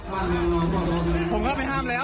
ผมเข้าไปห้ามแล้ว